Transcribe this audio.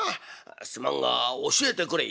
すまんが教えてくれ」。